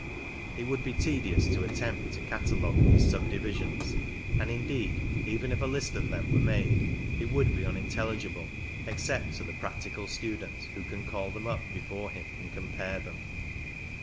It would be tedious to attempt to catalogue these subdivisions, and indeed even if a list of them were made it would be unintelligible except to the practical student who can call them up before him and compare them.